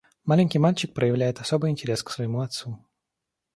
Маленький мальчик проявляет особый интерес к своему отцу.